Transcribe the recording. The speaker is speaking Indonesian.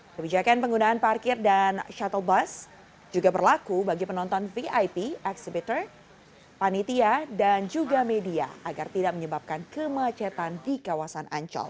kebijakan penggunaan parkir dan shuttle bus juga berlaku bagi penonton vip exhibitor panitia dan juga media agar tidak menyebabkan kemacetan di kawasan ancol